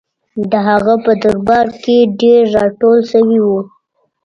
د هغه په درباره کې ډېر راټول شوي وو.